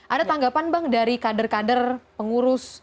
ada tanggapan bang dari kader kader pengurus